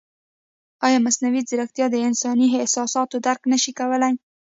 ایا مصنوعي ځیرکتیا د انساني احساساتو درک نه شي کولی؟